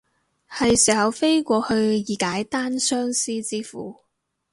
係時候飛過去以解單相思之苦